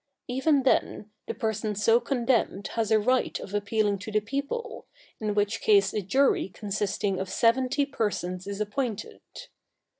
Even then, the person so condemned has a right of appealing to the people, in which case a jury consisting of seventy persons is appointed.